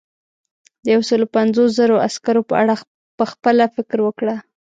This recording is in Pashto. د یو سلو پنځوس زرو عسکرو په اړه پخپله فکر وکړه.